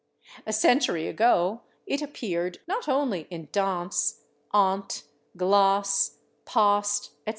A century ago it appeared, not only in /dance/, /aunt/, /glass/, /past/, etc.